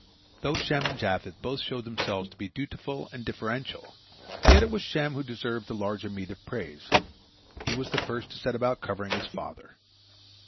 Though Shem and Japheth both showed themselves to be dutiful and deferential, yet it was Shem who deserved the larger meed of praise. He was the first to set about covering his father.